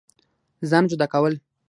ځان جدا كول